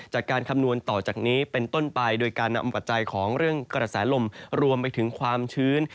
คำนวณต่อจากนี้เป็นต้นไปโดยการนำปัจจัยของเรื่องกระแสลมรวมไปถึงความชื้น